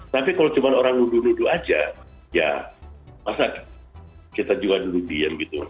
tapi kalau cuma orang nudu nudu aja ya masa kita juga duduk diam gitu